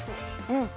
うん。